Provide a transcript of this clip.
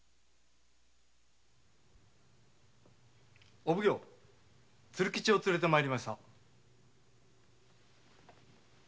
・お奉行鶴吉を連れて参りました。